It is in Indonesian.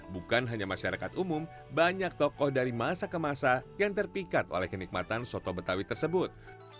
bukan hanya masyarakat umum banyak tokoh dari masa ke masa yang terpikat oleh kenikmatan soto betawi tersebut